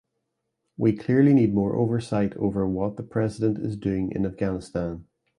We clearly need more oversight over what the president is doing in Afghanistan.